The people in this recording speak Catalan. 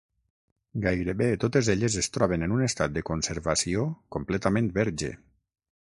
Gairebé totes elles es troben en un estat de conservació completament verge.